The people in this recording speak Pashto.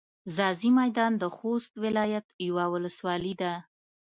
ځاځي میدان د خوست ولایت یوه ولسوالي ده.